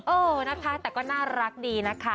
เออนะคะแต่ก็น่ารักดีนะคะ